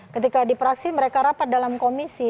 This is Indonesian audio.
ketika di praksi mereka rapat dalam komisi